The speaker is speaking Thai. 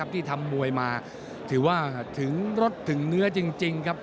ที่ทำมวยมาถือว่าถึงรสถึงเนื้อจริงครับ